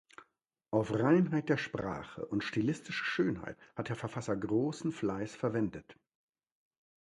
Auf Reinheit der Sprache und stilistische Schönheit hat der Verfasser großen Fleiß verwendet.